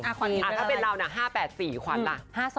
ถ้าเป็นเรานะ๕๘๔ขวัญล่ะ